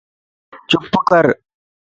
چپ ڪَر